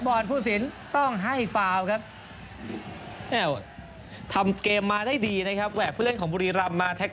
โวงสะกอนโอ้โหหลดสวยนะครับ๒คน